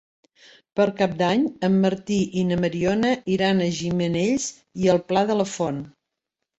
Per Cap d'Any en Martí i na Mariona iran a Gimenells i el Pla de la Font.